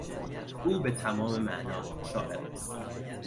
او به تمام معنا شاعر است.